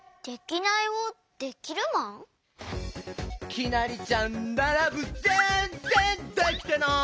きなりちゃんならぶぜんぜんできてない！